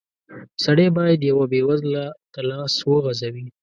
سړی بايد يوه بېوزله ته لاس وغزوي.